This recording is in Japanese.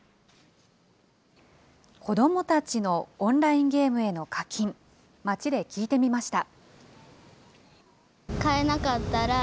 子どもたちのオンラインゲームへの課金、街で聞いてみました。